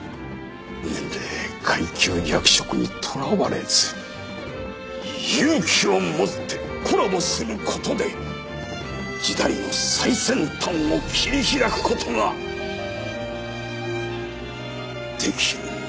年齢階級役職にとらわれず勇気を持ってコラボする事で時代の最先端を切り開く事ができるのだ。